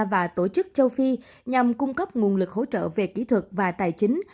và tổ chức châu phi nhằm cung cấp nguồn lực hỗ trợ về kỹ thuật và tài chính